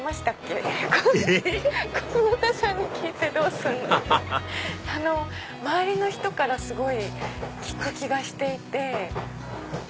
はい周りの人からすごい聞く気がしていて。